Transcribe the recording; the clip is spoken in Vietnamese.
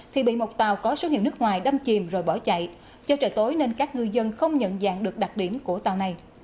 thì bị một tàu có số hiệu nước ngoài đâm chìm rồi bỏ chạy do trời tối nên các ngư dân không nhận dạng được đặc điểm của tàu này